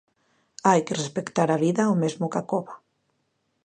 Hai que respectar a vida, o mesmo cá cova.